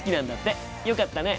よかったね。